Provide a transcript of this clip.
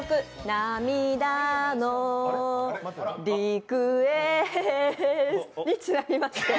涙のリクエストに、ちなみまして。